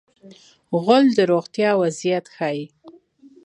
غول د روغتیا وضعیت ښيي.